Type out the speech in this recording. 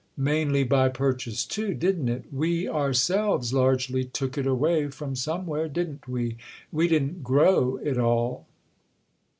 —mainly by purchase too, didn't it? We ourselves largely took it away from somewhere, didn't we? We didn't grow it all."